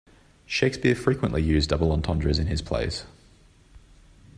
Shakespeare frequently used double entendres in his plays.